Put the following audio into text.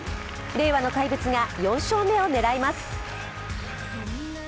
令和の怪物が４勝目を狙います。